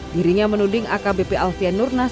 dirinya menuding akbp alfianurnas